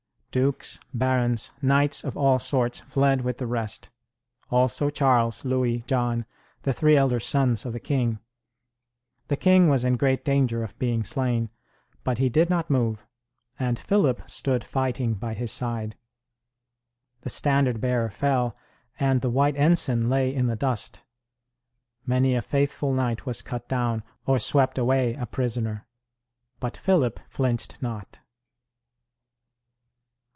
Dukes, barons, knights of all sorts fled with the rest; also Charles, Louis, John, the three elder sons of the king. The king was in great danger of being slain; but he did not move, and Philip stood fighting by his side. The standard bearer fell, and the white ensign lay in the dust. Many a faithful knight was cut down, or swept away a prisoner. But Philip flinched not.